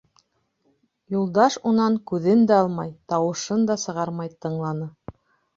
Юлдаш унан күҙен дә алмай, тауышын да сығармай тыңланы.